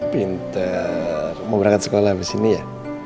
pintar mau berangkat sekolah abis ini ya